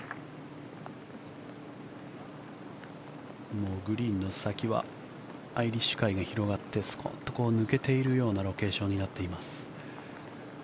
もうグリーンの先はアイリッシュ海が広がってスコーンと抜けていくようなロケーションになっています。